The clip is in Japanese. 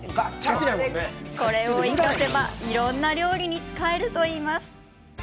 それをうまく生かせばいろんな料理に使えるといいます。